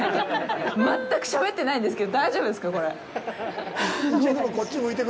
全くしゃべってないんですけど大丈夫ですか、これ。